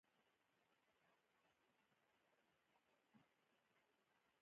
د دې تمایلاتو لپاره ډېری نور لاملونو شتون لري